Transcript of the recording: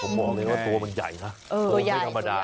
ผมบอกเลยว่าตัวมันใหญ่นะตัวไม่ธรรมดา